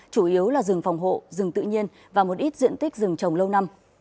chủ yếu là rừng phòng hộ rừng tự nhiên và một ít diện tích rừng trồng lâu năm